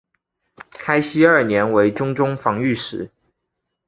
开禧二年为忠州防御使。